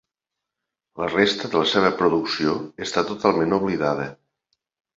La resta de la seva producció està totalment oblidada.